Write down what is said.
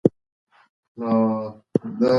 که ځان وپېژنو نو پر خپل ژوند اغېزه کولای سو.